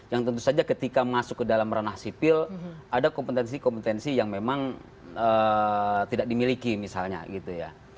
yang tentu saja ketika masuk ke dalam ranah sipil ada kompetensi kompetensi yang memang tidak dimiliki misalnya gitu ya